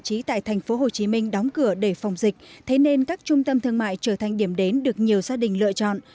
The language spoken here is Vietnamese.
các khu giải trí tại thành phố hồ chí minh đóng cửa để phòng dịch thế nên các trung tâm thương mại trở thành điểm đến được nhiều gia đình lựa chọn